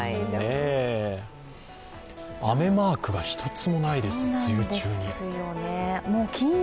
雨マークが１つもないです、梅雨中に。